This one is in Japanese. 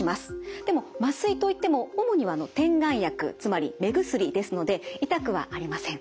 でも麻酔と言っても主には点眼薬つまり目薬ですので痛くはありません。